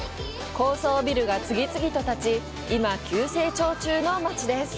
高層ビルが次々と建ち、今、急成長中の街です。